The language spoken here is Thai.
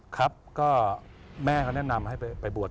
ครับก็แม่เขาแนะนำให้ไปบวช